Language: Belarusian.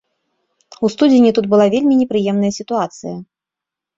У студзені тут была вельмі непрыемная сітуацыя.